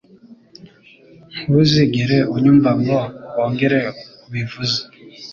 Ntuzigere unyumva ngo wongere ubivuze.